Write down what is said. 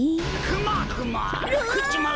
クマクマ！